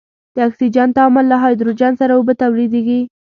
د اکسجن تعامل له هایدروجن سره اوبه تولیدیږي.